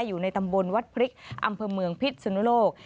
อยู่ในตำบลวัดพริกอำเภอเมืองพิษสุนุโลก